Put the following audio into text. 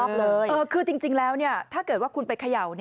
คือจริงแล้วถ้าเกิดว่าคุณไปเขย่า